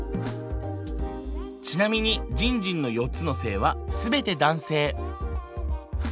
ちなみにじんじんの４つの性は全て男性。